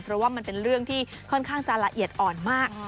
เพราะว่ามันเป็นเรื่องที่ค่อนข้างจะละเอียดอ่อนมาก